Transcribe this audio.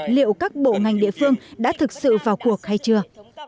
liệu các bộ ngành địa phương đã thực sự vào cuộc hay chưa